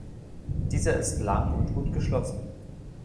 Dieser ist lang und gut geschlossen.